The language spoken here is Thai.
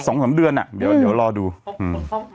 สองสามเดือนอ่ะเดี๋ยวเดี๋ยวรอดูอืม